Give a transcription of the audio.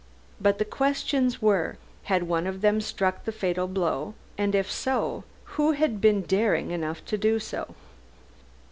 But the questions were: Had one of them struck the fatal blow, and if so, who had been daring enough to do so?